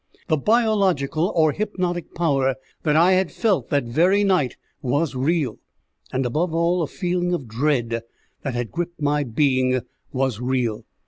The biological or hypnotic power that I had felt that very night was real, and, above all, a feeling of dread that had gripped my being was real.